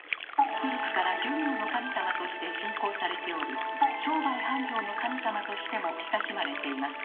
古くから漁業の神様として信仰されており商売繁盛の神様としても親しまれています。